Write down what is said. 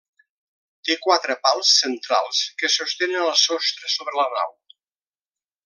Té quatre pals centrals que sostenen el sostre sobre la nau.